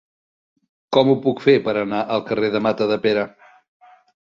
Com ho puc fer per anar al carrer de Matadepera?